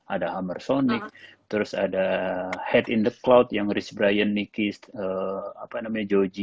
ada hammersonic terus ada head in the cloud yang rich brian nicky apa namanya joji